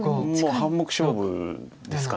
半目勝負ですか